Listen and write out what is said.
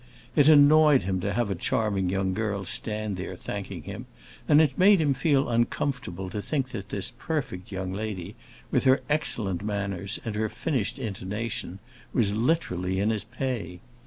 It annoyed him to have a charming young girl stand there thanking him, and it made him feel uncomfortable to think that this perfect young lady, with her excellent manners and her finished intonation, was literally in his pay.